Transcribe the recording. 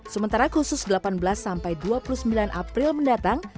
sementara khusus delapan belas sampai dua puluh sembilan april mendatang